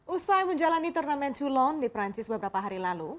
usai menjalani turnamen toulon di prancis beberapa hari lalu